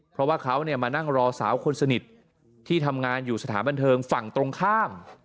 เพราะว่าเขามานั่งรอสาวคนสนิทที่ทำงานอยู่สถานบันเทิงฝั่งตรงข้าม